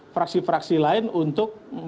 fraksi fraksi lain untuk